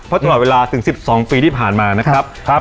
เพราะตลอดเวลาถึงสิบสองปีที่ผ่านมานะครับครับ